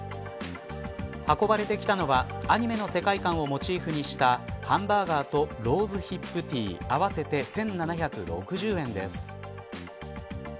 運ばれてきたのはアニメの世界観をモチーフにしたハンバーガーとローズヒップティー合わせて１７６０円です。